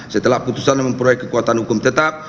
setelah putusan memproyek kekuatan hukum tetap